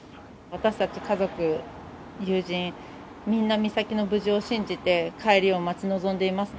私たち家族、友人、みんな、美咲の無事を信じて、帰りを待ち望んでいます。